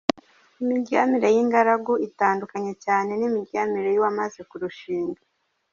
Imiryamire y’ingaragu itandukanye cyane n’imiryamire y’uwamaze kurushinga.